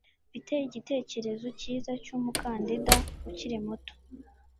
Mfite igitekerezo cyiza cyumukandida ukiri muto.